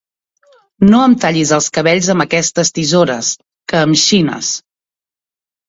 No em tallis els cabells amb aquestes tisores, que em xines.